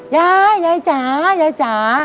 ยายยายจ๋ายายจ๋า